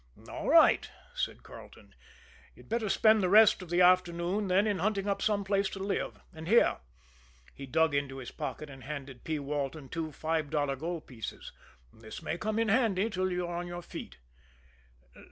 "All right," said Carleton. "You'd better spend the rest of the afternoon then in hunting up some place to stay. And here" he dug into his pocket and handed P. Walton two five dollar gold pieces "this may come in handy till you're on your feet."